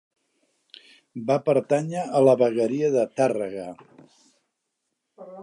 Va pertànyer a la vegueria de Tàrrega.